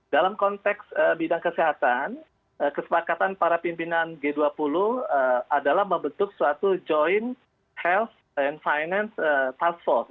dalam konteks bidang kesehatan kesepakatan para pimpinan g dua puluh adalah membentuk suatu joint health and finance task force